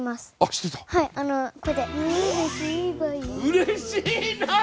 うれしいな！